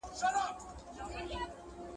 د ټولنیز رفتار کنټرول په علمي توګه ممکنه دی.